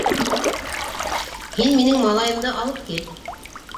Һин минең малайымды алып кил.